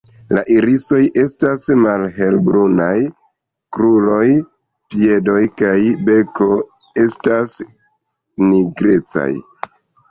La irisoj estas malhelbrunaj; kruroj, piedoj kaj beko estas nigrecaj.